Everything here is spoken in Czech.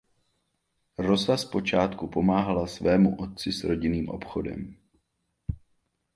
Rosa zpočátku pomáhala svému otci s rodinným obchodem.